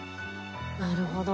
なるほど。